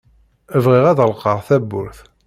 Bɣiɣ ad ɣelqeɣ tawwurt.